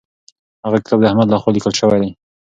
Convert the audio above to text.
هغه کتاب د احمد لخوا لیکل سوی دی.